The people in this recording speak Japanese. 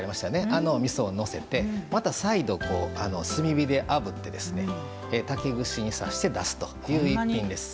あのみそをのせてまた再度、炭火であぶって竹串に刺して出すという一品です。